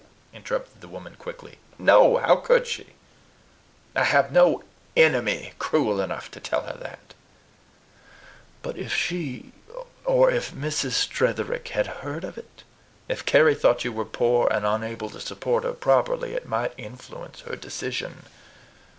interrupted the woman quickly: "no! How could she? I have no enemy cruel enough to tell her that." "But if she or if Mrs. Tretherick had heard of it? If Carry thought you were poor, and unable to support her properly, it might influence her decision.